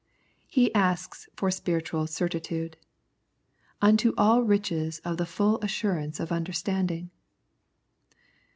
He asked for spiritual certitude :" Unto all riches of the full assurance of under standing."